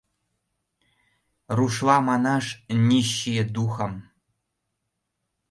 Рушла манаш: нищие духом.